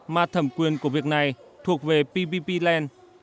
mà thẩm quyền của việc này thuộc về pvp land